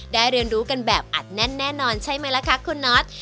เรียนรู้กันแบบอัดแน่นแน่นอนใช่ไหมล่ะคะคุณน็อต